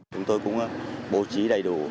chúng tôi cũng bố trí đầy đủ